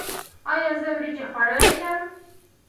ایا زه وریجې خوړلی شم؟